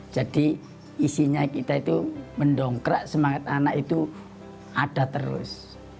jadi isinya kita itu mendongkrak semangat anak itu ada terus